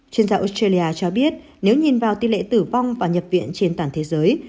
chuyên gia australia cho biết nếu nhìn vào tỷ lệ tử vong và nhập viện trên toàn thế giới